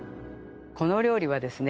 このお料理はですね